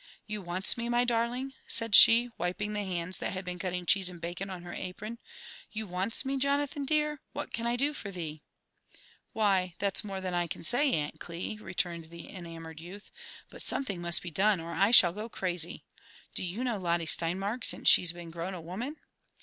*^ You wants me, my darling? " said she, wiping the hands that had been cutting cheese and bacon, on her apron. "You wants me, Jo^ nathan dear ? What can I do for thee ?" ''Why, that's more than I can say. Aunt Cli," returned the en amoured youth ; "but something must be done, or I shall go crazy. Do you know Lotte Steinmark since she's been grown a woman